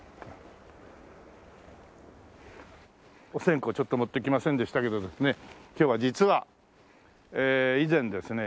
お線香ちょっと持ってきませんでしたけどね今日は実は以前ですね